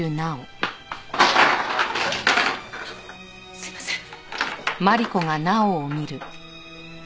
すいません。